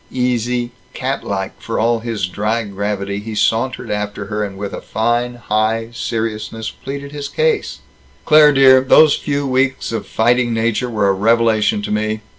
Easy, cat like for all his dry gravity, he sauntered after her, and with a fine high seriousness pleaded his case: "Claire dear, those few weeks of fighting nature were a revelation to me.